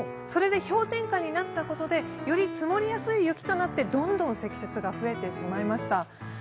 それで氷点下になったことで、より積もりやすい雪となってどんどん積雪が増えてしまいました。